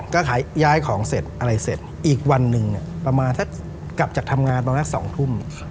ก็ย้ายของเสร็จอะไรเสร็จอีกวันหนึ่งประมาณถ้ากลับจากทำงานประมาณ๒ทุ่ม